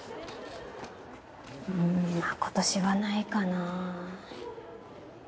んまぁ今年はないかなぁ。